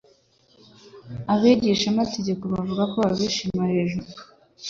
Abigishamategeko bavuga babishima hejuru